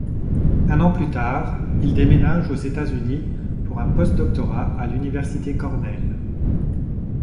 Un an plus tard, il déménage aux États-Unis pour un post-doctorat à l'université Cornell.